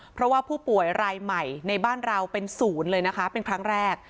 เพราะว่าผู้ป่วยรายใหม่ในบ้านเราเป็นศูนย์เลยนะคะเป็นครั้งแรก